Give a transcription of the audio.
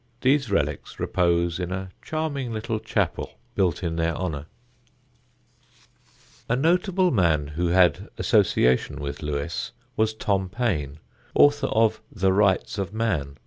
These relics repose in a charming little chapel built in their honour. [Sidenote: TOM PAINE] A notable man who had association with Lewes was Tom Paine, author of The Rights of Man.